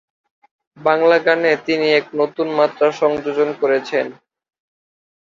বাংলা গানে তিনি এক নতুন মাত্রা সংযোজন করেছেন।